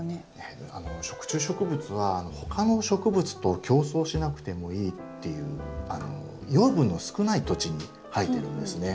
食虫植物は他の植物と競争しなくてもいいっていう養分の少ない土地に生えてるんですね。